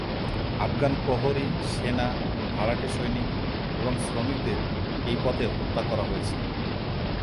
আফগান প্রহরী, সেনা, ভাড়াটে সৈনিক এবং শ্রমিকদের এই পথে হত্যা করা হয়েছে।